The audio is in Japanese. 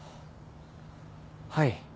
はい。